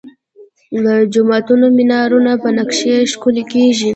د جوماتونو مینارونه په نقاشۍ ښکلي کیږي.